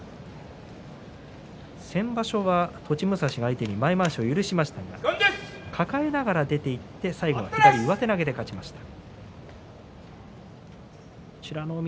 先場所は栃武蔵相手に前まわしを許しましたが抱えながら出ていって最後、上手投げで勝ちました。